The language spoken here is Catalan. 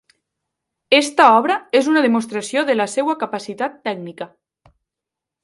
Aquesta obra és una demostració de la seva capacitat tècnica.